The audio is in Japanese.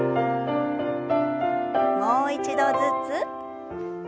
もう一度ずつ。